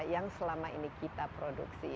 yang selama ini kita produksi